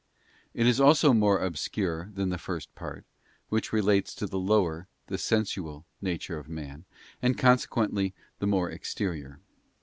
It is also more obscure than the first part, which relates to the lower, the sensual, nature of man, and consequently the more exterior.